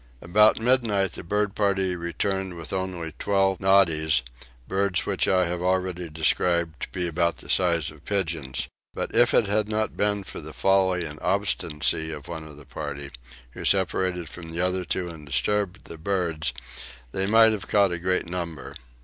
About midnight the bird party returned with only twelve noddies, birds which I have already described to be about the size of pigeons: but if it had not been for the folly and obstinacy of one of the party, who separated from the other two and disturbed the birds, they might have caught a great number.